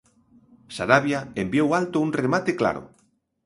Sarabia enviou alto un remate claro.